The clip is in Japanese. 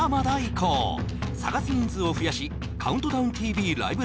こう探す人数を増やし「ＣＤＴＶライブ！